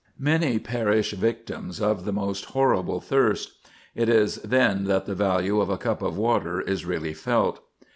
Many perish victims of the most horrible thirst. It is then that the value of a cup of water is really felt.